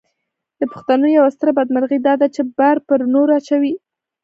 د پښتنو یوه ستره بدمرغي داده چې بار پر نورو اچوي.